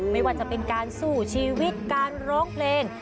ไม่ว่าจะเป็นการสู้ชีวิตการร้องเพลง